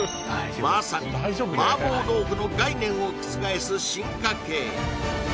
まさに麻婆豆腐の概念を覆す進化系